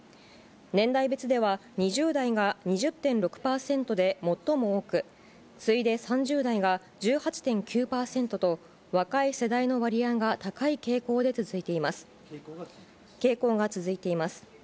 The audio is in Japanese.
年代別では２０代が２０．６％で最も多く、次いで３０代が１８．９％と、若い世代の割合が高い傾向が続いています。